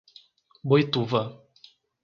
Boituva